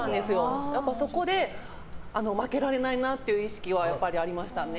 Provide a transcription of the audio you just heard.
そこで負けられないなという意識は、やっぱりありましたね。